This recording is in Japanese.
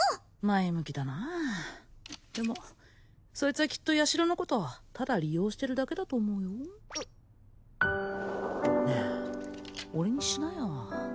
前向きだなでもそいつはきっとヤシロのことただ利用してるだけだと思うようっねえ俺にしなよ